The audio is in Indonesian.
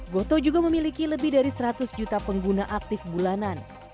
gotoh juga memiliki lebih dari seratus juta pengguna aktif bulanan